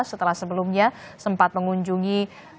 setelah sebelumnya sempat mengunjungi